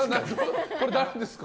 これ、誰ですか？